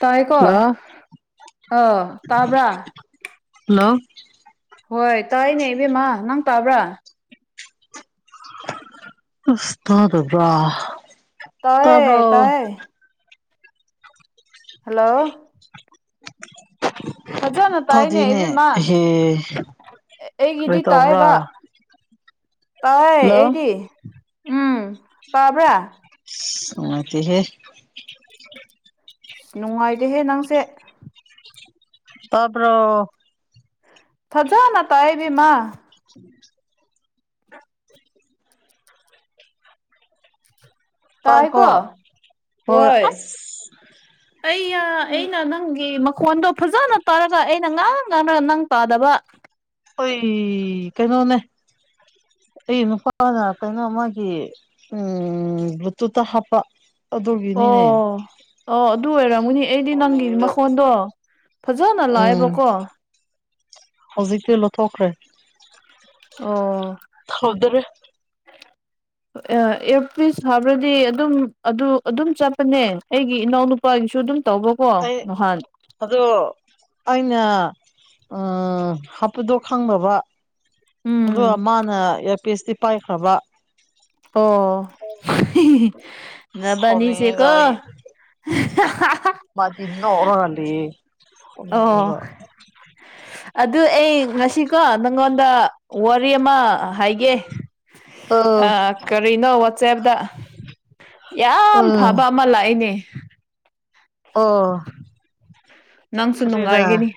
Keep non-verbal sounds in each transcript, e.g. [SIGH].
ꯇꯥꯏ ꯀꯣ ꯍꯜꯂꯣ ꯑꯣ ꯇꯥꯕ꯭ꯔꯥ ꯍꯜꯂꯣ ꯍꯣꯏ ꯇꯥꯏꯅꯦ ꯏꯕꯦꯝꯃ ꯅꯪ ꯇꯥꯕ꯭ꯔꯥ ꯑꯁ ꯇ ꯗꯕꯔꯥ ꯇꯑꯌꯦ ꯇꯑꯌꯦ ꯍꯜꯂꯣ ꯐꯖꯅ ꯇꯥꯏꯅꯦ ꯇꯥꯗꯦꯅꯦ ꯏꯕꯦꯝꯃꯥꯟ ꯑꯦꯍꯦ ꯀꯔꯤ ꯑꯩꯒꯤꯗꯤ ꯇꯧꯕ꯭ꯔꯥ ꯇꯥꯏꯕ ꯇꯥꯏ ꯍꯜꯂꯣ ꯑꯩꯗꯤ ꯎꯝ ꯇꯕ꯭ꯔꯥ ꯉꯥꯏꯇꯍꯦ ꯑꯁ ꯅꯨꯡꯉꯥꯏꯇꯦꯍꯦ ꯅꯪꯁꯦ ꯇꯕꯔꯣ ꯊꯖꯥꯅ ꯇꯥꯏ ꯏꯕꯝꯃꯥ [INAUDIBLE] ꯇꯥꯏ ꯇꯥꯏꯀꯣ ꯀꯣ ꯍꯣꯏ ꯑꯩꯅ ꯑꯩꯅ ꯅꯪꯒꯤ ꯐꯣꯟꯗꯣ ꯐꯖꯅ ꯇꯥꯔꯒ ꯑꯩꯅ ꯉꯥꯡ ꯉꯥꯡꯅ ꯅꯪ ꯇꯥꯗꯕ ꯑꯩꯣꯏ ꯀꯩꯅꯣꯅꯦ ꯑꯩ ꯅꯨꯄꯥꯅ ꯀꯩꯅꯣ ꯃꯥꯒꯤ ꯎ ꯕ꯭ꯂꯨꯇꯨꯠꯇ ꯍꯥꯞꯄ ꯑꯗꯨꯒꯤꯅꯤꯅꯦ ꯑꯣ ꯑꯣ ꯑꯗꯨ ꯑꯣꯏꯔꯝꯒꯅꯤ ꯑꯩꯗꯤ ꯅꯪꯒꯤ ꯁꯥꯎꯅꯤꯡꯉꯤꯗꯣ ꯃꯈꯣꯟꯗꯣ ꯐꯖꯅ ꯎꯝ ꯂꯥꯛꯑꯦꯕꯀꯣ ꯍꯧꯖꯤꯛꯇꯤ ꯂꯧꯊꯣꯛꯈ꯭ꯔꯦ ꯑꯣ ꯍꯧꯗꯔ ꯑꯦꯌꯔꯄꯤꯁ ꯍꯥꯏꯕ꯭ꯔꯗꯤ ꯑꯗꯨꯝ ꯑꯗꯨ ꯑꯗꯨꯝ ꯆꯠꯄꯅꯦ ꯑꯩꯒꯤ ꯏꯅꯥꯎꯅꯨꯄꯥꯒꯤꯁꯨ ꯑꯗꯨꯝ ꯇꯧꯕꯣ ꯀꯣ ꯑꯩ ꯅꯍꯥꯟ ꯑꯅ ꯎ ꯍꯥꯞꯄꯨꯗꯣ ꯈꯪꯗꯕ ꯑꯗꯨꯒ ꯎꯝ ꯃꯥꯅ ꯑꯦ ꯄꯤꯁꯇꯤ ꯄꯥꯏꯈ꯭ꯔꯕ ꯑꯣ ꯅꯕꯅꯤꯁꯤ ꯁꯥꯎꯅꯤꯡꯉꯦꯒ ꯀꯣ ꯑꯩ ꯃꯥꯗꯤ ꯅꯛ ꯑꯣꯔ ꯑꯣ ꯂꯩꯌ [INAUDIBLE] ꯑꯗꯨ ꯑꯩ ꯉꯁꯤꯀꯣ ꯅꯪꯉꯣꯟꯗ ꯋꯥꯔꯤ ꯑꯃ ꯍꯥꯏꯒꯦ ꯑꯥ ꯑ ꯀꯔꯤꯅꯣ ꯋꯥꯆꯦꯞꯇ ꯌꯥꯝ ꯎꯝ ꯐꯕ ꯑꯃ ꯂꯥꯛꯏꯅꯦ ꯑ ꯅꯪꯁꯨ ꯅꯨꯡꯉꯥꯏꯒꯅꯤ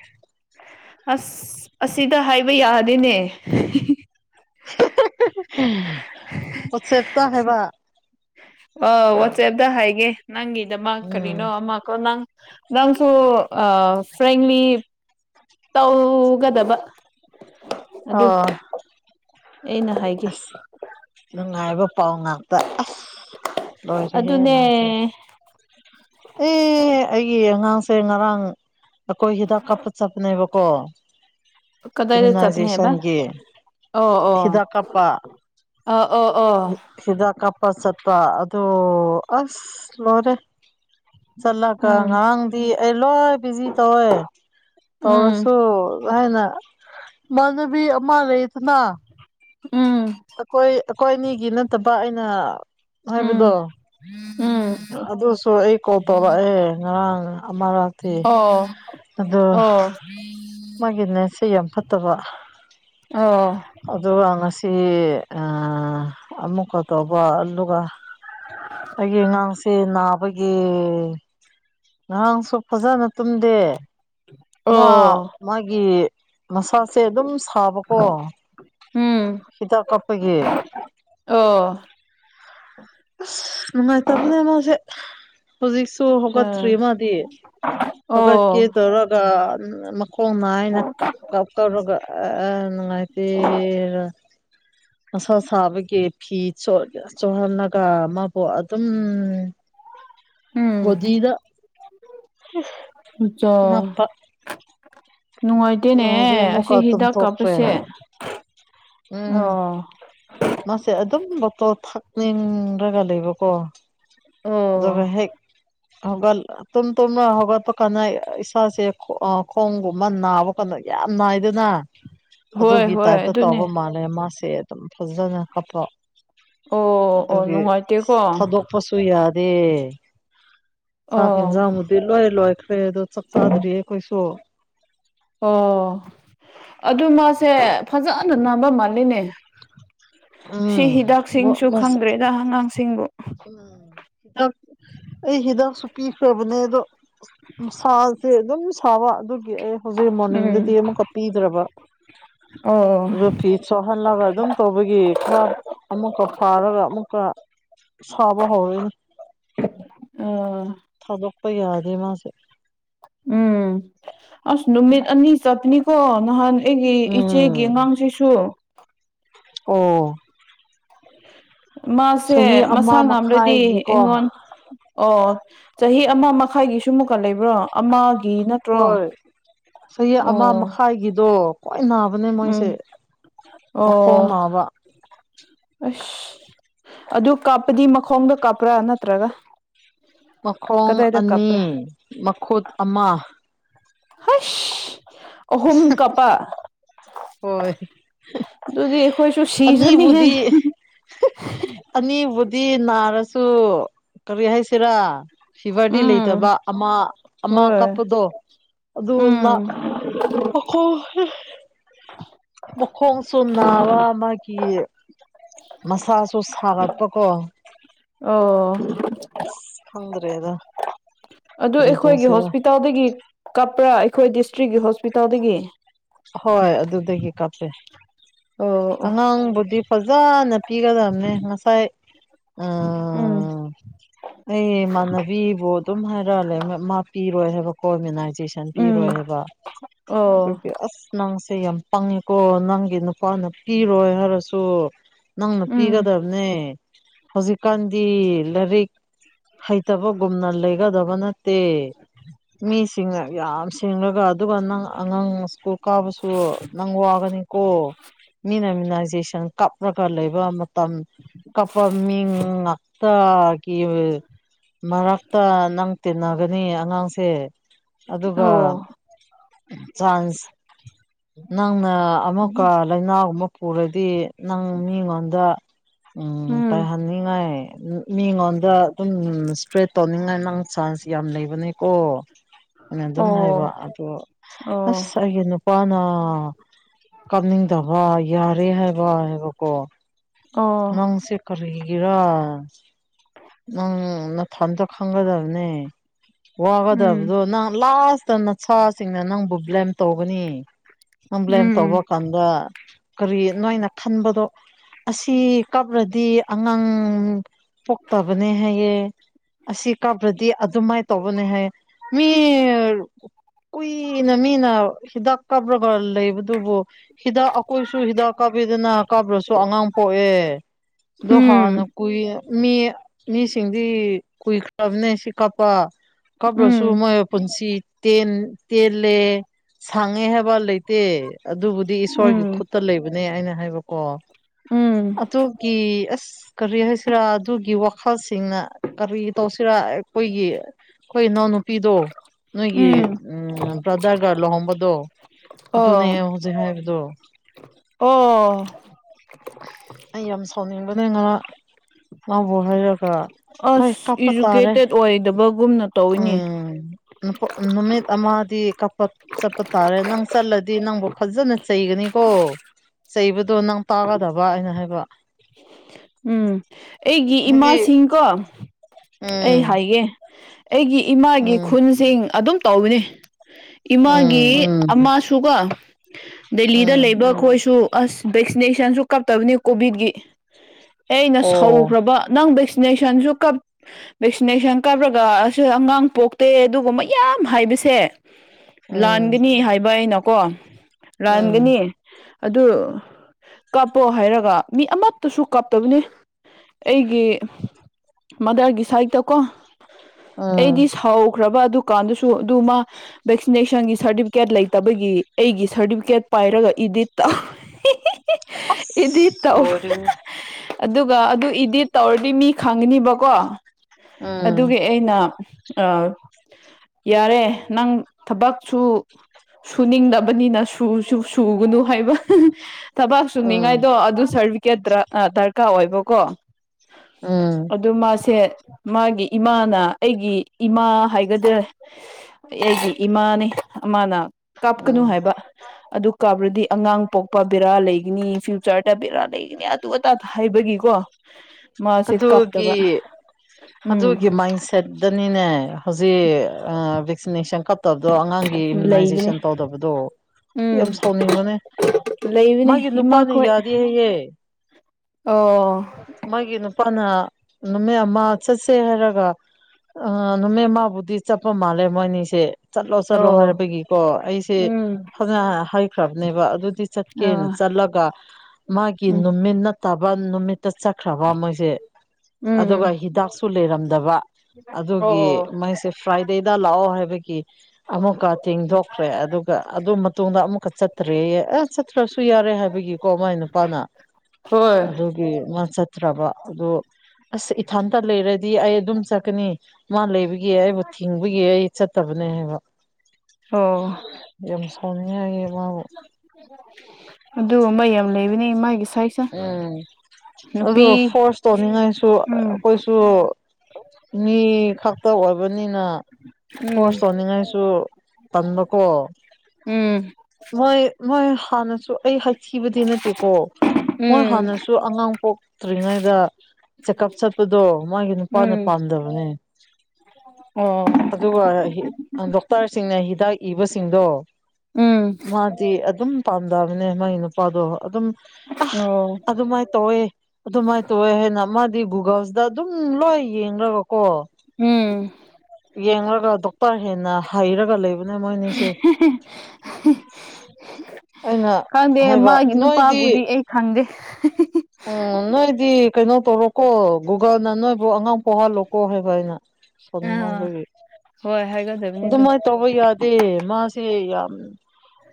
ꯑꯁ ꯑꯁꯤꯗ ꯍꯥꯏꯕ ꯌꯥꯗꯦꯅꯦ ꯑꯣꯁꯦꯠꯇ ꯍꯦꯕ ꯑꯣ ꯋꯥꯁꯦꯕꯗ ꯍꯥꯏꯒꯦ ꯅꯪꯒꯤꯗꯃꯛ ꯎꯝ ꯀꯔꯤꯅꯣ ꯑꯃꯀꯣ ꯅꯪ ꯅꯪꯁꯨ ꯐ꯭ꯔꯦꯡꯂꯤ ꯇꯧꯒꯗꯕ ꯑꯗꯨ ꯑꯣ ꯑꯩꯅ ꯍꯥꯏꯒꯦ ꯑꯁ ꯅꯨꯡꯉꯥꯏꯕ ꯄꯥꯎ ꯉꯥꯛꯇ ꯑꯁ ꯑꯗꯨꯅꯦ ꯂꯣꯏꯔꯔꯤꯍꯦꯅꯁꯦ ꯑꯦ ꯑꯩꯒꯤ ꯑꯉꯥꯡꯁꯦ ꯉꯔꯥꯡ ꯑꯩꯈꯣꯏ ꯍꯤꯗꯥꯛ ꯀꯥꯞꯄ ꯆꯠꯄꯅꯦꯕ ꯀꯣ ꯀꯗꯥꯏꯗ ꯆꯠꯄꯅꯦꯕ ꯏꯃ꯭ꯌꯨꯅꯥꯏꯖꯦꯁꯟꯦ ꯑꯣ ꯑꯣ ꯍꯗ ꯀꯞꯄ ꯑꯣ ꯑꯣ ꯑꯣ ꯍꯗ ꯀꯥꯞꯄ ꯁꯠ ꯑꯗꯨꯗ ꯑꯁ ꯂꯣꯔꯦ ꯆꯠꯂꯒ ꯎꯝ ꯉꯔꯥꯡꯗꯤ ꯑꯩ ꯂꯣꯏ ꯕꯤꯖꯤ ꯇꯧꯋꯦ ꯎꯝ ꯇꯧꯔꯁꯨ ꯍꯥꯏꯅ ꯏꯃꯥꯜꯅꯕꯤ ꯑꯃ ꯂꯩ ꯏꯗꯅ ꯑꯩꯈꯣꯏ ꯑꯩꯈꯣꯏ ꯑꯅꯤꯒꯤ ꯅꯠꯇꯕ ꯑꯩꯅ ꯎꯝ ꯎꯝ ꯍꯥꯏꯕꯗꯣ ꯎꯝ ꯑꯗꯨꯁꯨ ꯑꯩ ꯀꯣꯜ ꯇꯧꯔꯛꯑꯦ ꯉꯔꯥꯡ ꯑꯣ ꯑꯃꯥꯔꯛꯇꯤꯑꯗꯣ ꯑꯣ ꯃꯥꯒꯤꯅꯦꯠꯁꯦ ꯌꯥꯝ ꯐꯠꯇꯕ ꯑꯣ ꯁꯤ ꯑ ꯑꯃꯨꯛꯀ ꯀꯧꯕ ꯑꯗꯨꯒ ꯑꯩꯒꯤ ꯑꯉꯥꯡꯁꯤ ꯅꯥ ꯑꯩꯈꯣꯏꯒꯤ ꯉꯔꯥꯡꯁꯨ ꯐꯖꯅ ꯇꯨꯝꯗꯦ ꯃꯥ ꯑꯣ ꯃꯥꯒꯤ ꯃꯁꯥꯁꯦ ꯑꯗꯨꯝ ꯁꯥꯕꯀꯣ ꯎꯝ ꯍꯤꯗꯥꯛ ꯀꯥꯞꯄꯒꯤ ꯑꯣ ꯅꯨꯡꯉꯥꯏ ꯇꯕꯅꯦ ꯃꯥꯁꯦ ꯍꯧꯖꯤꯛꯁꯨ ꯍꯧꯒꯠꯇ꯭ꯔꯤ ꯃꯥꯗꯤ ꯍꯧꯒꯠꯀꯦ ꯑꯣ ꯇꯧꯔꯒ ꯈꯣꯡ ꯅꯥꯏꯅ ꯀꯞꯔ ꯀꯞꯔꯒ ꯑ ꯅꯨꯡꯉꯥꯏꯇꯦꯔ ꯃꯁꯥ ꯁꯥꯕꯒꯤ ꯐꯤ ꯆꯣꯠ ꯆꯣꯠꯍꯟꯂꯛ ꯀ ꯃꯥꯕꯨ ꯑꯗꯨꯝ ꯎꯝ ꯕꯣꯗꯤꯗ ꯅꯞꯄꯦ ꯅꯨꯡꯉꯥꯏꯇꯦꯅꯦꯍꯦ ꯑꯁꯤ ꯍꯤꯗꯥꯛ ꯀꯥꯞꯄꯁꯦ ꯎꯝ ꯑꯣ ꯃꯥꯁꯦ ꯑꯗꯨꯝ ꯕꯣꯇꯜ ꯊꯛꯅꯤꯡꯔꯒ ꯂꯩꯕꯀꯣ ꯑꯗꯨꯕꯨ ꯑꯣ ꯍꯦꯛ ꯍꯧꯒꯠ ꯇꯨꯝ ꯇꯨꯝꯔꯒ ꯍꯧꯒꯠꯄꯀꯥꯟꯗ ꯏꯁꯥꯁꯦ ꯈꯣꯡ ꯒꯨꯝꯕ ꯅꯥꯕ ꯀꯥꯟꯗ ꯌꯥꯝ ꯅꯥꯏꯗꯅ ꯍꯣꯏ ꯑꯗꯨꯒꯤ ꯍꯣꯏ ꯇꯥꯏꯞꯇ ꯑꯗꯨꯅꯦ ꯇꯧꯕ ꯃꯥꯜꯂꯦ ꯃꯥꯁꯦ ꯑꯗꯨꯝ ꯐꯖꯅ ꯀꯞꯄ ꯑꯣ ꯑꯣ ꯑꯗꯨꯒꯤ ꯑꯁ ꯅꯨꯡꯉꯥꯏꯇꯦꯀꯣ ꯊꯥꯗꯣꯛꯄꯁꯨ ꯌꯥ ꯑꯦ ꯆꯥꯛ ꯑꯣ ꯑꯦꯟꯖꯥꯡꯕꯨꯗꯤ ꯂꯣꯏꯅ ꯂꯣꯏꯈꯔꯦ ꯔꯣꯏꯗ ꯆꯥꯛ ꯆꯥꯗ꯭ꯔꯤ ꯑꯩꯈꯣꯏꯁꯨ ꯑꯣ ꯑꯗꯨ ꯃꯥꯁꯦ ꯐꯖꯅ ꯅꯥꯕ ꯃꯥꯜꯂꯤꯅꯦ ꯁꯤ ꯎꯝ ꯍꯤꯗꯥꯛꯁꯤꯡꯁꯨ ꯈꯪꯗ꯭ꯔꯦꯗ ꯑꯉꯥꯡꯁꯤꯡꯕꯨ ꯎꯝ ꯍꯤꯗꯥꯛ ꯑꯩ ꯍꯤꯗꯥꯛꯁꯨ ꯄꯤꯈ꯭ꯔꯕꯅꯦ ꯑꯗꯣ ꯃꯁꯥꯁꯦ ꯑꯗꯨꯝ ꯁꯥꯕ ꯑꯗꯨ ꯒꯤ ꯑꯩ ꯍꯧꯖꯤꯛ ꯃꯣꯔꯅꯤꯡꯗꯗꯤ ꯎꯝ ꯑꯃꯨꯛꯀ ꯄꯤꯗ꯭ꯔꯕ ꯑꯣ ꯑꯗꯨ ꯐꯤ ꯆꯣꯠꯍꯜꯂꯒ ꯑꯗꯨꯝ ꯇꯧꯕꯒꯤ ꯈꯔ ꯑꯃꯨꯛꯀ ꯐꯥꯔꯒ ꯑꯃꯨꯛꯀ ꯁꯥꯕ ꯍꯧꯔꯦꯅꯦ ꯑꯣ ꯊꯥꯗꯣꯛꯄ ꯌꯥꯗꯦ ꯃꯥꯁ ꯎꯝ ꯑꯁ ꯅꯨꯃꯤꯠ ꯑꯅꯤ ꯆꯠꯄꯅꯦ ꯀꯣ ꯅꯍꯥꯟ ꯑꯩꯒꯤ ꯏꯆꯦꯒꯤ ꯎꯝ ꯑꯉꯥꯡꯁꯤꯁꯨ ꯑꯣ ꯃꯥꯁꯦ ꯆꯍꯤ ꯃꯁꯥ ꯑꯃ ꯉꯝ꯭ꯔꯗꯤ ꯃꯈꯥꯏꯒꯤꯀꯣ ꯑꯩꯉꯣꯟ ꯑꯣ ꯆꯍꯤ ꯑꯃ ꯃꯈꯥꯏꯒꯤꯁꯨ ꯑꯃꯨꯛꯀ ꯂꯩꯕ꯭ꯔꯣ ꯑꯃ ꯒꯤ ꯅꯠꯇ꯭ꯔꯣ ꯍꯣꯏ ꯑꯣ ꯂꯣꯏ ꯅꯥꯕꯅꯦ ꯃꯣꯏꯁꯦ ꯎꯝ ꯑꯣ ꯃꯈꯣꯡ ꯅꯥꯕ ꯑꯁ ꯑꯗꯨ ꯀꯥꯞꯄꯗꯤ ꯃꯈꯣꯡꯗ ꯀꯥꯞꯄ꯭ꯔꯥ ꯅꯠꯇ꯭ꯔꯒ ꯃꯈꯣꯡ ꯀꯗꯥꯏꯗ ꯑꯅꯤ ꯀꯥꯞꯄ꯭ꯔꯥ ꯃꯈꯨꯠ ꯑꯃ ꯍꯁ ꯑꯍꯨꯝ ꯀꯥꯞꯄ ꯍꯣꯏ ꯑꯗꯨꯗꯤ ꯑꯩꯈꯣꯏꯁꯨ ꯁꯤꯔꯅꯤꯍꯦ ꯑꯅꯤꯕꯨꯗꯤ ꯍ ꯑꯅꯤꯕꯨ ꯗꯤ ꯅꯥꯔꯁꯨ ꯀꯔꯤ ꯍꯥꯏꯁꯤꯔꯥ ꯐꯤꯚꯔꯗꯤ ꯎꯝ ꯂꯩꯇꯕ ꯑꯃ ꯑꯃ ꯍꯣꯏ ꯀꯥꯞꯄꯗꯣ ꯑꯗꯨꯅ ꯎꯝ ꯑꯈꯣꯏ ꯃꯈꯣꯡꯁꯨ ꯅꯥꯕ ꯃꯥꯒꯤ ꯃꯁꯥꯁꯨ ꯁꯥꯒꯠꯄ ꯀꯣ ꯑꯣ ꯐꯔꯦꯗ ꯑꯗꯨ ꯑꯩꯈꯣꯏꯒꯤ ꯍꯣꯁꯄꯤꯇꯥꯜꯗꯒꯤ ꯀꯥꯞꯄ꯭ꯔꯥ ꯑꯩꯈꯣꯏ ꯗꯤꯁꯇ꯭ꯔꯤꯛꯀꯤ ꯍꯣꯁꯄꯤꯇꯥꯜꯗꯒꯤ ꯍꯣꯏ ꯑꯗꯨꯗꯒꯤ ꯀꯥꯞꯄꯦ ꯑꯣ ꯑꯉꯥꯡꯕꯨꯗꯤ ꯐꯖꯅ ꯄꯤꯒꯗꯝꯝꯅꯦ ꯉꯁꯥꯏ ꯑ ꯎꯝ ꯑꯩ ꯃꯥꯟꯅꯕꯤ ꯑꯗꯨꯝ ꯍꯥꯏꯔꯛꯑꯥ ꯂꯩꯕ ꯃꯥ ꯄꯤꯔꯣꯏ ꯍꯥꯏꯕ ꯀꯣ ꯃꯦꯅꯥꯏꯖꯦꯁꯟ ꯎꯝ ꯄꯤꯔꯣꯏ ꯍꯥꯏꯕ ꯑꯗꯨꯝ ꯑꯣ ꯅꯪꯁꯦ ꯌꯥꯝ ꯄꯪꯉꯦꯀꯣ ꯅꯪꯒꯤ ꯅꯨꯄꯥꯅ ꯄꯤꯔꯣꯏ ꯍꯥꯏꯔꯁꯨ ꯅꯪꯅ ꯎꯝ ꯄꯤꯒꯗꯝꯅꯦ ꯍꯧꯖꯤꯛꯀꯥꯟꯗꯤ ꯂꯥꯏꯔꯤꯛ ꯍꯩꯇꯕꯒꯨꯝꯅ ꯂꯩꯒꯗꯕ ꯅꯠ ꯇꯦ ꯃꯤꯁꯤꯡꯅ ꯌꯥꯝ ꯁꯤꯡꯂꯒ ꯑꯗꯨꯒ ꯅꯪ ꯑꯉꯥꯡꯃ ꯁ꯭ꯀꯨꯜ ꯀꯥꯕꯁꯨ ꯅꯪ ꯋꯥꯒꯅꯤꯀꯣ ꯃꯤꯅ ꯃꯤꯅꯥꯏꯖꯦꯁꯟ ꯀꯥꯞꯔꯒ ꯂꯩꯕ ꯃ ꯀꯝ ꯀꯞꯄꯃꯤꯡ ꯉꯥꯛꯇ ꯒꯤ ꯃꯔꯛꯇ ꯅꯪ ꯇꯤꯟꯅꯒꯅꯤ ꯑꯉꯥꯡ ꯁꯦ ꯑꯗꯨꯒ ꯑꯣ ꯆꯥꯟꯁ ꯅꯪꯅ ꯑꯃꯨꯛꯀ ꯂꯩꯅꯥꯒꯨꯝꯕ ꯄꯨꯔꯗꯤ ꯅꯪ ꯃꯤꯉꯣꯟꯗ ꯇ ꯎꯝ ꯇꯩꯍꯟꯅꯤꯡꯉꯥꯏ ꯃꯤꯉꯣꯟꯗ ꯑꯗꯨꯝ ꯏꯁꯄ꯭ꯔꯦꯠ ꯇꯧꯅꯤꯡꯉꯥꯏ ꯅꯪ ꯆꯥꯟꯁ ꯌꯥꯝ ꯂꯩꯕꯅꯦꯀꯣ ꯑꯅꯥ ꯑꯗꯨꯝ ꯍꯥꯏꯕ ꯑꯣ ꯑꯗꯣ ꯑꯣ ꯑꯁ ꯑꯩꯒꯤ ꯅꯨꯄꯥꯅ ꯀꯥꯞꯅꯤꯡꯗꯕ ꯌꯥꯔꯦ ꯍꯥꯏꯕ ꯍꯥꯏꯕꯀꯣ ꯑꯣ ꯅꯪꯁꯦ ꯀꯔꯤ ꯒꯤꯔ ꯅꯪ ꯅꯊꯟꯇ ꯈꯪꯒꯗꯕꯅꯦ ꯎꯝ ꯋꯥꯒꯗꯕꯗꯣ ꯅꯪ ꯂꯥꯁꯇ ꯅꯁꯥꯁꯤꯡꯅ ꯅꯪꯕꯨ ꯕ꯭ꯂꯦꯝ ꯇꯧꯒꯅꯤ ꯅꯪ ꯕ꯭ꯂꯦꯝ ꯇꯧꯕ ꯎꯝ ꯀꯥꯟꯗ ꯀꯔꯤ ꯅꯣꯏꯅ ꯈꯟꯕꯗꯣ ꯑꯁꯤ ꯀꯞꯔꯗꯤ ꯑꯉꯥꯡ ꯄꯣꯛꯇꯕꯅꯦ ꯍꯥꯏꯌꯦ ꯑꯁꯤ ꯀꯥꯞꯔꯗꯤ ꯑꯗꯨꯃꯥꯏ ꯇꯧꯕꯅꯦ ꯍꯥꯏꯌꯦ ꯃꯤ ꯀꯨꯏꯅ ꯃꯤꯅ ꯍꯤꯗꯥꯛ ꯀꯥꯞꯔꯒ ꯂꯩꯕꯗꯨꯕꯨ ꯍꯤꯗꯥꯛ ꯑꯩꯈꯣꯏꯁꯨ ꯍꯤꯗꯥꯛ ꯀꯥꯞꯄꯦꯗꯅ ꯀꯥꯞꯔꯁꯨ ꯑꯉꯥꯡ ꯄꯣꯛꯑꯦ ꯑꯗꯨ ꯍꯥꯟꯅ ꯎꯝ ꯀꯨꯏ ꯃꯤ ꯃꯤꯁꯤꯡꯗꯤ ꯀꯨꯏꯈ꯭ꯔꯝꯅꯦ ꯁꯤ ꯀꯥꯞꯄ ꯀꯞꯂꯁꯨ ꯎꯝ ꯃꯣꯏ ꯄꯨꯟꯁꯤ ꯇꯦꯟ ꯇꯦꯜꯂꯦ ꯁꯥꯡꯉꯦ ꯍꯥꯏꯕ ꯂꯩ ꯇꯦ ꯑꯗꯨꯕꯨꯗꯤ ꯏꯁꯣꯔꯒꯤ ꯎꯝ ꯈꯨꯠꯇ ꯂꯩꯕꯅꯦ ꯑꯩꯅ ꯍꯥꯏꯕꯀꯣ ꯎꯝ ꯑꯗꯨꯒꯤ ꯑꯁ ꯀꯔꯤ ꯍꯥꯏꯁꯤꯔꯥ ꯑꯗꯨꯒꯤ ꯋꯥꯛ ꯈꯜꯁꯤꯡꯅ ꯀꯔꯤ ꯇꯧꯁꯤꯔꯥ ꯑꯩꯈꯣꯏꯒꯤ ꯑꯩꯈꯣꯏ ꯏꯅꯥꯎꯅꯨꯄꯤꯗꯣ ꯅꯣꯏꯒꯤ ꯎꯝ ꯎꯝ ꯄ꯭ꯔꯗꯛ ꯀ ꯂꯨꯍꯣꯛꯕꯗꯣ ꯑꯗꯨꯅꯦ ꯑꯣ ꯍꯧꯖꯤꯛ ꯍꯥꯏꯕꯗꯣ ꯑꯣ ꯑꯩ ꯌꯥꯝ ꯁꯥꯎꯅꯤꯡꯕꯅ ꯉꯥꯛ ꯃꯥꯕꯨ ꯍꯥꯏꯔꯛ ꯍꯣꯏ ꯑꯁ ꯀꯥꯞꯄ ꯇꯥꯔꯦ ꯏꯖꯨꯀꯦꯇꯦꯠ ꯑꯣꯏꯗꯕꯒꯨꯝꯅ ꯇꯧꯋꯤꯅꯦ ꯎꯪ ꯅꯄꯣꯛ ꯅꯨꯃꯤꯠ ꯇꯥꯃꯥꯗꯤ ꯆꯠꯄ ꯇꯥꯔꯦ ꯅꯪ ꯆꯠꯂꯗꯤ ꯅꯪꯕꯨ ꯐꯖꯅꯥ ꯆꯩꯒꯅꯤ ꯀꯣ ꯆꯩꯕꯗꯣ ꯅꯪ ꯇꯥꯒꯗꯕꯥ ꯑꯩꯅ ꯍꯥꯏꯕꯥ ꯎꯪ ꯑꯩꯒꯤ ꯏꯃꯥꯁꯤꯡꯀꯣ ꯑꯩ ꯎꯝ ꯍꯥꯏꯒꯦ ꯑꯩꯒꯤ ꯏꯃꯥꯒꯤ ꯎꯝ ꯈꯨꯟꯁꯤꯡ ꯑꯗꯨꯝ ꯇꯧꯕꯅꯤ ꯎꯝ ꯏꯃꯥꯒꯤ ꯑꯃꯥꯁꯨ ꯑꯗꯨꯒ ꯗꯦꯜꯂꯤꯗ ꯎꯝ ꯂꯩꯕ ꯈꯣꯏꯁꯨ ꯑꯥꯁ ꯚꯦꯛꯁꯤꯅꯦꯁꯟꯁꯨ ꯀꯥꯞꯇꯕꯅꯤ ꯀꯣꯚꯤꯠꯀꯤ ꯑꯩꯅ ꯑꯣ ꯁꯧꯈ꯭ꯔꯕ ꯅꯪ ꯚꯦꯛꯁ ꯚꯦꯛꯁꯤꯅꯦꯁꯟꯁꯨ ꯀꯞ ꯚꯦꯛꯁꯤꯅꯦꯁꯟ ꯀꯥꯞꯔꯒ ꯑꯁꯤ ꯑꯉꯥꯡ ꯄꯣꯛꯇꯦ ꯑꯗꯨꯒꯨꯝꯕ ꯌꯥꯝ ꯍꯥꯏꯕꯁꯦ ꯎꯝ ꯂꯥꯟꯒꯅꯤ ꯍꯥꯏꯕ ꯑꯩꯅꯥꯀꯣ ꯎꯝ ꯂꯥꯟꯒꯅꯤ ꯑꯗꯨ ꯀꯥꯞꯄꯣ ꯍꯥꯏꯔꯒ ꯃꯤ ꯑꯃꯠꯇꯁꯨ ꯀꯞ ꯇꯧꯒꯅꯤ ꯑꯩꯒꯤ ꯃꯥꯗꯔꯒꯤ ꯁꯥꯏꯠꯇ ꯀꯣ ꯎꯝ ꯑꯩꯗꯤ ꯁꯥꯎꯈ꯭ꯔꯕ ꯑꯥꯗꯨ ꯗꯨꯀꯥꯟꯗꯨꯁꯨ ꯑꯗꯨꯃꯥ ꯚꯦꯛꯁꯤꯅꯦꯁꯟꯒꯤ ꯁꯥꯔꯇꯤꯐꯤꯀꯦꯠ ꯂꯩꯇꯕꯒꯤ ꯑꯩꯒꯤ ꯁꯥꯔꯇꯤꯐꯤꯀꯦꯠ ꯄꯥꯏꯔꯒ ꯏꯠ ꯗꯤꯠ ꯇꯧꯢ ꯍꯤ ꯍꯤ ꯢ ꯏꯗꯤꯠ ꯑꯁ ꯇꯥꯩꯋꯦꯍꯦ ꯂꯣꯏꯔꯦꯍꯦ ꯍꯦ ꯑꯗꯨꯒ ꯑꯗꯨ ꯏꯗꯤꯠ ꯇꯧꯔꯗꯤ ꯃꯤ ꯈꯪꯒꯅꯤꯕꯀꯣ ꯎꯝ ꯑꯗꯨꯒꯤ ꯑꯩꯅꯥ ꯑꯥ ꯌꯥꯔꯦ ꯅꯪ ꯊꯕꯛꯁꯨ ꯁꯨꯅꯤꯡꯗꯕꯅꯤꯅ ꯁꯨꯔꯁꯨ ꯁꯨꯒꯅꯨ ꯍꯥꯏꯕꯥ ꯊꯕꯛ ꯎꯝ ꯁꯨꯅꯤꯡꯉꯥꯏꯗꯣ ꯑꯗꯨ ꯁꯥꯔꯇꯤꯐꯤꯀꯦꯠꯇ ꯗꯔꯀꯥꯔ ꯑꯣꯏꯕꯀꯣ ꯎꯝ ꯑꯗꯨ ꯃꯥꯁꯦ ꯃꯥꯒꯤ ꯏꯃꯥꯅ ꯑꯩꯒꯤ ꯏꯃꯥ ꯍꯥꯏꯒꯗ꯭ꯔꯥ ꯑꯩꯒꯤ ꯏꯃꯥꯅꯤ ꯃꯥꯅ ꯀꯥꯞꯀꯅꯨ ꯎꯝ ꯍꯥꯏꯕꯥ ꯑꯗꯨ ꯀꯥꯞꯔꯗꯤ ꯑꯉꯥꯡ ꯄꯣꯛꯄ ꯕꯦꯔꯥ ꯂꯩꯒꯅꯤ ꯐ꯭ꯌꯨꯆꯔꯗ ꯕꯦꯔꯥ ꯂꯩꯒꯅꯤ ꯑꯗꯨ ꯑꯗꯥ ꯍꯥꯏꯕꯒꯤ ꯀꯣ ꯑꯥꯗꯨ ꯒꯤ ꯎꯝ ꯑꯗꯨꯒꯤ ꯃꯥꯏꯟꯁꯦꯠꯇꯅꯤꯅꯦ ꯍꯧꯖꯤꯛ ꯑꯥ ꯚꯦꯛꯁꯤꯅꯦꯁꯟ ꯀꯥꯞ ꯇꯕꯗꯣ ꯑꯉꯥꯡꯒꯤ ꯂꯩꯕꯅꯦ ꯏꯃ꯭ꯌꯨꯅꯥꯏꯖꯦꯁꯟ ꯇꯧꯗꯕꯗꯣ ꯎꯝ ꯌꯥꯝ ꯁꯥꯎꯅꯤꯡꯕꯅꯦ ꯂꯩꯕꯅꯦ ꯃꯥꯒꯤ ꯅꯨꯄꯥꯅ ꯌꯥꯗꯦ ꯑꯥ ꯌꯦ ꯑꯣ ꯑꯣ ꯅꯥ ꯅꯨꯃꯤꯠ ꯑꯃ ꯆꯠꯁꯦ ꯍꯥꯏꯔꯒ ꯑꯥ ꯅꯨꯃꯤꯠ ꯑꯃꯥꯕꯨꯗꯤ ꯆꯠꯄ ꯃꯥꯜꯂꯦ ꯃꯣꯏꯅꯤꯁꯦ ꯆꯠꯂꯣ ꯆꯠꯂꯣ ꯑꯣ ꯍꯥꯏꯕꯒꯤ ꯀꯣ ꯑꯩꯁꯦ ꯎꯝ ꯐꯖꯅ ꯍꯩꯈ꯭ꯔꯕꯅꯦꯕ ꯑꯗꯨꯗꯤ ꯑ ꯆꯠꯀꯦꯅ ꯆꯠꯂꯒ ꯃꯥꯒꯤ ꯎꯝ ꯅꯨꯃꯤꯠ ꯅꯠ ꯇꯕꯥ ꯅꯨꯃꯤꯠꯇ ꯆꯠꯈ꯭ꯔꯕ ꯃꯣꯏꯖꯦ ꯎꯝ ꯎꯝ ꯑꯗꯨꯒ ꯍꯤꯗꯥꯛꯁꯨ ꯂꯩꯔꯝꯗꯕ ꯑꯣ ꯑꯗꯨꯒꯤ ꯑꯣ ꯃꯥꯢꯁꯦ ꯐ꯭ꯔꯥꯏꯗꯦꯗ ꯂꯥꯛꯑꯣ ꯍꯥꯏꯕꯒꯤ ꯑꯃꯨꯛꯀ ꯇꯦꯡꯗꯣꯛꯈ꯭ꯔꯦ ꯑꯗꯨꯒ ꯑꯗꯨ ꯃꯇꯨꯡꯗ ꯑꯃꯨꯛ ꯆꯠꯇ꯭ꯔꯦ ꯑꯥ ꯆꯠꯇ꯭ꯔꯁꯨ ꯌꯥꯔꯦ ꯍꯥꯏꯕꯒꯤ ꯀꯣ ꯃꯥꯏ ꯅꯨꯄꯥꯅ ꯍꯣꯏ ꯑꯗꯨꯒꯤ ꯃꯥ ꯆꯠ ꯇ꯭ꯔꯕ ꯑꯗꯣ ꯑꯥꯁ ꯏꯊꯟꯇ ꯂꯩꯔꯗꯤ ꯑꯩ ꯑꯗꯨꯝ ꯆꯠꯀꯅꯤ ꯃꯥ ꯂꯩꯕꯒꯤ ꯑꯩꯕꯨ ꯊꯤꯡꯕꯒꯤ ꯑꯩ ꯆꯠꯇꯕꯅꯦ ꯍꯥꯏꯕꯥ ꯑꯣ ꯌꯥꯝ ꯁꯥꯎꯅꯤꯡꯉꯥꯏꯅꯤ ꯃꯥꯕꯨ ꯑꯗꯨꯒꯨꯝꯕ ꯌꯥꯝ ꯂꯩꯕꯅꯤ ꯃꯥꯒꯤꯁꯤ ꯑꯥꯡ ꯑꯗꯨꯕꯨ ꯐꯣꯔꯁ ꯇꯧꯅꯤꯡꯉꯥꯏꯁꯨ ꯎꯝ ꯑꯩꯈꯣꯏꯁꯨ ꯃꯤ ꯈꯛꯇ ꯑꯣꯏꯕ ꯅꯤꯅ ꯎꯝ ꯐꯣꯔꯁ ꯇꯧꯅꯤꯡꯉꯥꯏꯁꯨ ꯇꯟꯕ ꯀꯣ ꯎꯝ ꯃꯣꯏ ꯃꯣꯏ ꯍꯥꯟꯅꯁꯨ ꯑꯩ ꯍꯥꯏꯊꯤꯕꯗꯤ ꯅꯠꯇꯦꯀꯣ ꯃꯣꯏ ꯎꯝ [UNINTELLIGIBLE] ꯑꯉꯥꯡ ꯄꯣꯛꯇ꯭ꯔꯤꯉꯩꯗ ꯆꯦꯛꯀꯞ ꯆꯠꯄꯗꯣ ꯃꫭꯏꯒꯤ ꯅꯨꯄꯥꯅ ꯎꯝ ꯄꯥꯝꯗꯕꯅꯦ ꯑꯣ ꯑꯗꯨꯒ ꯗꯣꯛꯇꯔꯁꯤꯡꯅ ꯍꯤꯗꯥꯛ ꯏꯕꯁꯤꯡꯗꯣ ꯎꯝ ꯃꯥꯗꯤ ꯑꯗꯨꯝ ꯄꯥꯝꯗꯕꯅꯦ ꯃꯥꯒꯤ ꯅꯨꯄꯥꯗꯣ ꯑꯗꯨꯝ ꯑꯥ ꯑꯣ ꯑꯗꯨꯃꯥꯏ ꯇꯧꯋꯦ ꯑꯗꯨꯃꯥꯥꯏ ꯇꯧꯋꯦ ꯍꯥꯏꯅ ꯃꯥ ꯗꯤ ꯒꯨꯒꯜꯁꯇ ꯑꯗꯨꯝ ꯂꯣꯏ ꯌꯦꯡꯔꯒꯀꯣ ꯎꯝ ꯌꯦꯡꯔꯒ ꯗꯣꯛꯇꯔ ꯍꯦꯟꯅ ꯍꯩꯔꯒ ꯂꯩ ꯕꯅꯦ ꯃꯣꯏꯅꯤꯁꯦ ꯑꯩꯅ ꯈꯪꯗꯦ ꯍꯥꯏꯕ ꯃꯥꯒꯤ ꯅꯣꯏꯗꯤ ꯅꯨꯄꯥꯕꯨꯗꯤ ꯑꯩ ꯈꯪꯗꯦ ꯎꯝ ꯅꯣꯏꯗꯤ ꯀꯩꯅꯣ ꯇꯧꯔꯣꯀꯣ ꯒꯨꯒꯜꯅ ꯅꯣꯏꯕꯨ ꯑꯉꯥꯡ ꯄꯣꯛꯍꯜꯂꯣꯀꯣ ꯍꯥꯏꯕ ꯑꯩꯅ ꯁꯥꯎꯅꯤꯡ ꯑꯥ ꯃꯟꯕꯩ ꯍꯣꯏ ꯍꯥꯏꯒꯗꯕꯅꯤ ꯑꯗꯨ ꯑꯗꯨꯝꯃꯥꯏ ꯇꯧꯕ ꯌꯥꯗꯦ ꯃꯥ ꯁꯦ ꯌꯥꯝ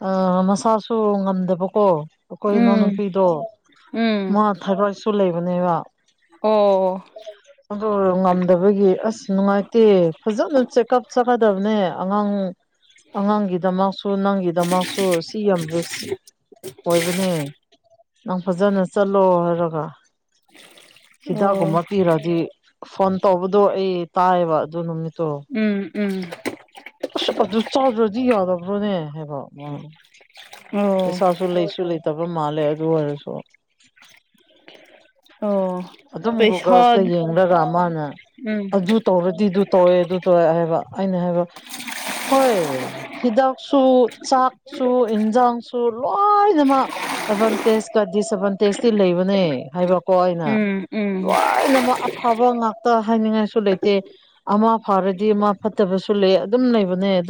ꯑ ꯃꯁꯥꯁꯨ ꯉꯝꯗꯕꯀꯣ ꯑꯀꫭꯏ ꯎꯝ ꯏꯅꯥꯎꯅꯨꯄꯤꯗꯣ ꯎꯝ ꯃꯥ ꯊꯥꯏꯔꫭꯏꯠꯁꯨ ꯂꯩꯕꯅꯦꯕ ꯑꯣ ꯑꯗꯨ ꯉꯝꯗꯕꯒꯤ ꯑꯁ ꯅꯨꯡꯉꯥꯏꯇꯦ ꯐꯖꯅ ꯆꯦꯛꯀꯞ ꯆꯠꯅꯗꯞꯅꯦ ꯑꯉꯥꯡ ꯑꯉꯥꯡꯒꯤꯗꯃꯛꯁꯨ ꯅꯪꯒꯤꯗꯃꯛꯁꯨ ꯁꯤ ꯌꯥꯝ ꯔꯤꯛꯁ ꯑꯣꯏꯕꯅꯦ ꯅꯪ ꯐꯖꯅ ꯆꯠꯂꯣ ꯍꯥꯏꯔꯒ ꯑꯣ ꯍꯤꯗꯥꯛꯒꯨꯝꯕ ꯄꯤꯔꯗꯤ ꯐꯣꯟ ꯇꯧꯕꯗꯣ ꯑꯩ ꯇꯥꯏꯌꯦꯕ ꯑꯗꯨ ꯅꯨꯃꯤꯠ ꯎꯝ ꯎꯝ ꯑꯁ ꯑꯗꯨ ꯆꯥꯗ꯭ꯔꯗꯤ ꯌꯥꯗꯕ꯭ꯔꯣꯅꯦ ꯍꯥꯏꯕ ꯃꯥꯅ ꯑꯣ ꯄꯩꯁꯥꯁꯨ ꯂꯩꯁꯨ ꯂꯩꯇꯕ ꯃꯥꯜꯂꯦ ꯑꯗꯨ ꯑꯣꯏꯔꯁꯨ ꯑꯣ ꯑꯗꯨꯝ ꯄꯩꯁꯥ ꯒꯨꯒꯜꯁꯇ ꯌꯦꯡꯂꯒ ꯃꯥꯅ ꯎꯝ ꯑꯗꯨ ꯇꯧꯔꯗꯤ ꯑꯗꯨ ꯇꯧꯋꯦ ꯑꯗꯨ ꯇꯧꯔꯦ ꯍꯥꯏꯕ ꯑꯩꯅ ꯍꯥꯏꯕ ꯍꯣꯏ ꯍꯤꯗꯥꯛꯁꯨ ꯆꯥꯛꯁꯨ ꯏꯟꯖꯥꯡꯁꯨ ꯂꯣꯏꯅꯃꯛ ꯑꯦꯠꯕꯥꯟꯇꯦꯁ ꯀ ꯗꯤꯁꯑꯦꯠꯕꯥꯟꯇꯦꯁꯇꯤ ꯂꯩꯕꯅꯦ ꯍꯥꯏꯕ ꯀꯣ ꯑꯩꯅ ꯎꯝ ꯎꯝ ꯂꯣꯏꯅꯃꯛ ꯑꯐꯕ ꯉꯥꯛꯇ ꯍꯥꯏꯅꯤꯡꯉꯥꯏꯁꯨ ꯂꯩꯇꯦ ꯑꯃ ꯐꯔꯗꯤ ꯑꯃ ꯐꯠꯇꯕꯁꯨ ꯂꯩ ꯑꯗꯨꯝ ꯂꯩꯕꯅꯦ ꯑꯗꯨꯝ